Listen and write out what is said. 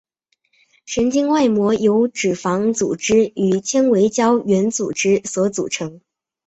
神经外膜由脂肪组织与纤维胶原组织所组成。